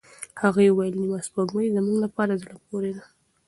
هغې وویل، نیمه سپوږمۍ زموږ لپاره زړه پورې ده.